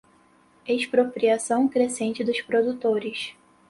expropriação crescente dos produtores